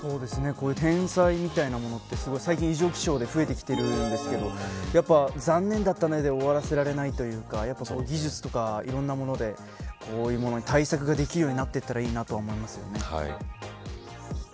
天災みたいなものは最近異常気象で増えてきているんですが残念だったねで終わらせられないというか技術とかいろんなもので対策ができるようになっていったらいいなと思います。